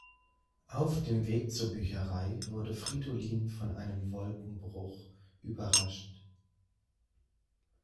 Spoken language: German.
Auf dem Weg zur Bücherei wurde Fridolin von einem Wolkenbruch überrascht.